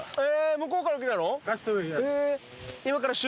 向こうから来たの？